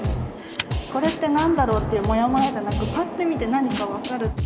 これって何だろうっていうもやもやじゃなくパッて見て何か分かる。